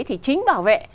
thì chính bảo vệ